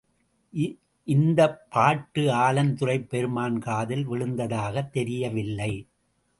இந்த பாட்டு ஆலந்துறைப் பெருமான் காதில் விழுந்ததாகத் தெரியவில்லை.